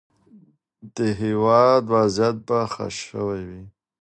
د هیواد وضعیت به ښه شوی وي.